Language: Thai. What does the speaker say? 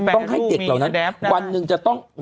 ต้องให้เด็กเหล่านั้นวันหนึ่งจะต้อง